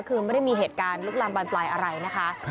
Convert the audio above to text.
คือไม่ได้มีเหตุการณ์ลุกลามบานปลายอะไรนะคะ